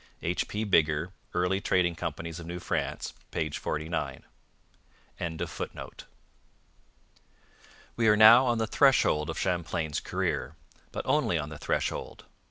H. P. Biggar, 'Early Trading Companies of New France,' p. 49.] We are now on the threshold of Champlain's career, but only on the threshold.